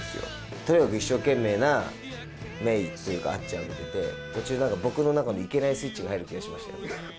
とにかく一生懸命なメイというか、あっちゃん見てて、途中、なんか僕の中のいけないスイッチが入る気がしましたよ。